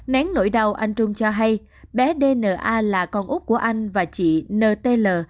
nén nỗi đau anh trung cho hay bé d n a là con úc của anh và chị n t l